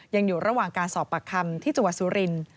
ยังอยู่ระหว่างการสอบปากคำที่จังหวัดสุรินทร์